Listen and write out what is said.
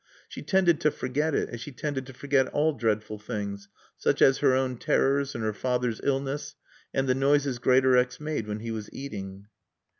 She tended to forget it, as she tended to forget all dreadful things, such as her own terrors and her father's illness and the noises Greatorex made when he was eating.